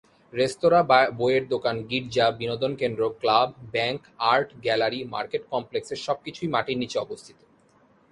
রেস্তোরাঁ, বইয়ের দোকান, গির্জা, বিনোদন কেন্দ্র, club, bank, art gallery, market complex সব কিছুই মাটির নিচে অবস্থিত।